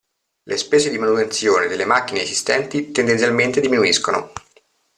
Le spese di manutenzione delle macchine esistenti tendenzialmente diminuiscono.